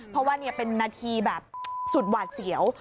เพราะว่าเป็นนาทีแบบสุดหวาดเสียว